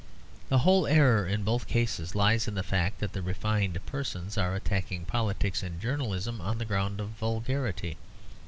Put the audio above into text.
The whole error in both cases lies in the fact that the refined persons are attacking politics and journalism on the ground of vulgarity.